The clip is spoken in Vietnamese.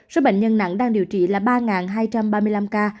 số bệnh nhân nặng đang điều trị là ba hai trăm ba mươi năm ca